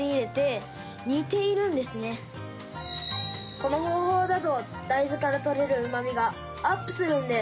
この方法だと大豆から取れるうまみがアップするんです。